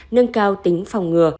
nâng cao tính phòng ngừa